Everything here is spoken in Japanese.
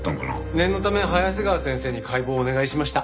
念のため早瀬川先生に解剖をお願いしました。